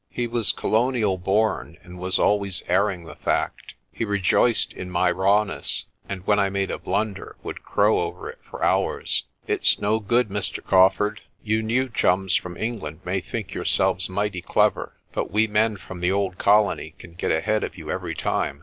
He was Colonial born and was always airing the fact. He rejoiced in my rawness, and when I made a blunder would crow over it for hours. "It's no good, Mr. Crawfurd; you new chums from England may think yourselves mighty clever, but we men from the old Colony can get ahead of you every time.